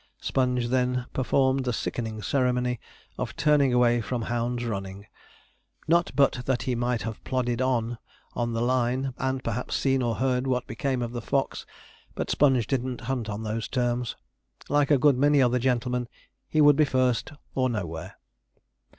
Sponge then performed the sickening ceremony of turning away from hounds running; not but that he might have plodded on on the line, and perhaps seen or heard what became of the fox, but Sponge didn't hunt on those terms. Like a good many other gentlemen, he would be first, or nowhere.